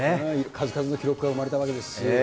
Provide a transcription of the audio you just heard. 数々の記録が生まれわけですし。